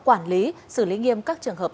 quản lý xử lý nghiêm các trường hợp